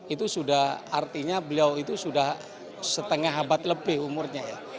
itu sudah artinya beliau itu sudah setengah abad lebih umurnya ya